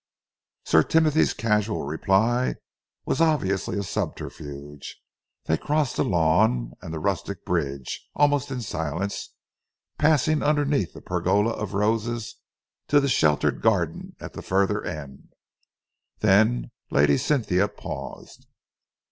Sir Timothy's casual reply was obviously a subterfuge. They crossed the lawn and the rustic bridge, almost in silence, passing underneath the pergola of roses to the sheltered garden at the further end. Then Lady Cynthia paused.